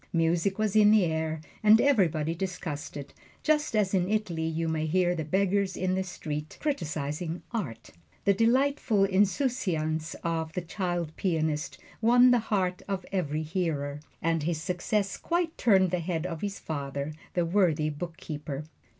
Music was in the air, and everybody discussed it, just as in Italy you may hear the beggars in the streets criticizing art. The delightful insouciance of this child pianist won the heart of every hearer, and his success quite turned the head of his father, the worthy bookkeeper.